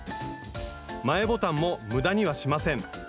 前ボタンも無駄にはしません。